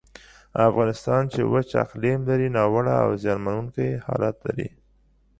افغانستان چې وچ اقلیم لري، ناوړه او زیانمنونکی حالت لري.